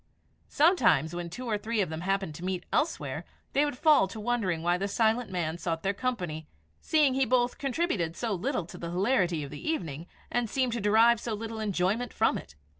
Sometimes, when two or three of them happened to meet elsewhere, they would fall to wondering why the silent man sought their company, seeing he both contributed so little to the hilarity of the evening, and seemed to derive so little enjoyment from it.